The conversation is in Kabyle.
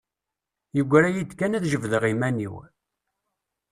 Yeggra-iyi-d kan ad jebdeɣ iman-iw.